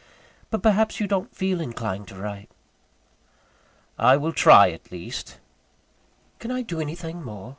But perhaps you don't feel inclined to write?" "I will try at least." "Can I do anything more?